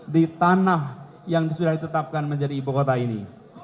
di tanah yang sudah ditetapkan menjadi ibukota ini